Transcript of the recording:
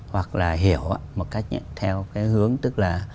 hoặc là hiểu một cách theo cái hướng tức là